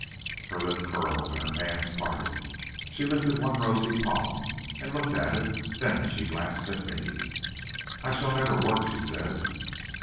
"Her lip curled and her hands parted. She lifted one rosy palm and looked at it, then she glanced at me. "'I shall never work,' she said.